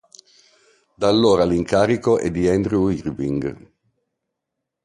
Da allora l'incarico è di Andrew Irving.